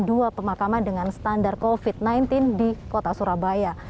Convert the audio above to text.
dua pemakaman dengan standar covid sembilan belas di kota surabaya